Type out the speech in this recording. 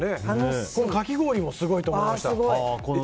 かき氷もすごいと思いました。